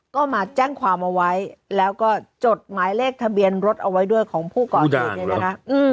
ก็มาแจ้งความเอาไว้แล้วก็จดหมายเลขทะเบียนรถเอาไว้ด้วยของผู้ก่อเหตุเนี่ยนะคะ